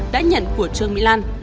đã nhận của trương mỹ lan